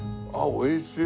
おいしい。